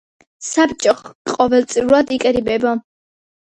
საბჭო ყოველწლიურად იკრიბება.